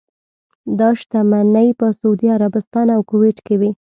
دا شتمنۍ په سعودي عربستان او کویټ کې وې.